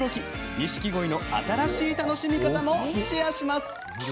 ニシキゴイの新しい楽しみ方もシェアします。